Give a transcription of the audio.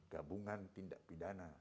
gabungan tindak pidana